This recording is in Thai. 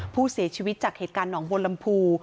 ผู้เสียชีวิตจากเหตุการณ์หนองบนลำพู